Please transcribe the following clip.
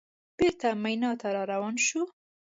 بېرته مینا ته راروان شوو.